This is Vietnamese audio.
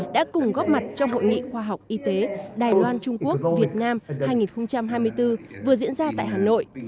đã cùng góp mặt trong hội nghị khoa học y tế đài loan trung quốc việt nam hai nghìn hai mươi bốn vừa diễn ra tại hà nội